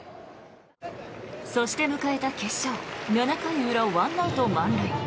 そして迎えた決勝７回裏、１アウト満塁。